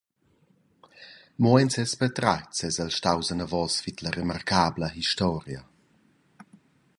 Mo en ses patratgs eis el staus anavos vid la remarcabla historia.